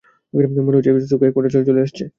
মনে হচ্ছে চোখে একফোঁটা জল আসছে।